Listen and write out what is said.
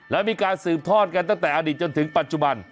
และมีการสืบทอดกันตั้งแต่อดีตจนถึงปัจจุบัน